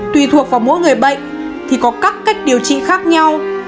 tùy thuộc vào mỗi người bệnh thì có các cách điều trị khác nhau